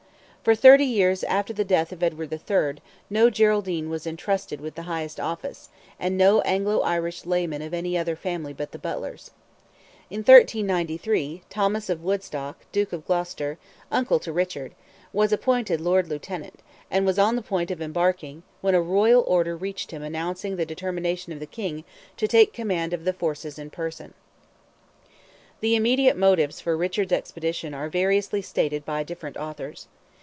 For thirty years after the death of Edward III., no Geraldine was entrusted with the highest office, and no Anglo Irish layman of any other family but the Butlers. In 1393, Thomas of Woodstock, Duke of Gloucester, uncle to Richard, was appointed Lord Lieutenant, and was on the point of embarking, when a royal order reached him announcing the determination of the King to take command of the forces in person. The immediate motives for Richard's expedition are variously stated by different authors.